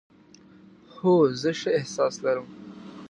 هو، زه ښه احساس لرم